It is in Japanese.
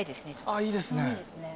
ああいいですね。